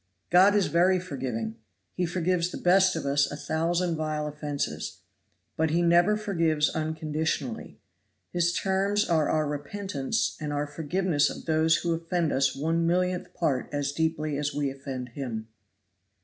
God is very forgiving He forgives the best of us a thousand vile offenses. But He never forgives unconditionally. His terms are our repentance and our forgiveness of those who offend us one millionth part as deeply as we offend Him.